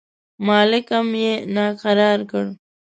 مالکم یې ناکراره کړ.